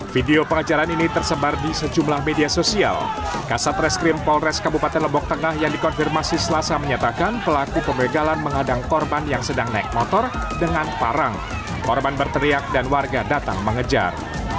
video pengajaran ini tersebar di sejumlah media sosial kasat reskrim polres kabupaten lombok tengah yang dikonfirmasi selasa menyatakan pelaku pembegalan menghadang korban yang sedang naik motor dengan parang korban berteriak dan warga datang mengejar